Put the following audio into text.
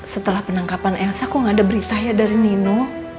setelah penangkapan elsa kok nggak ada berita ya dari nino